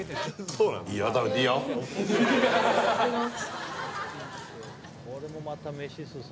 いただきます。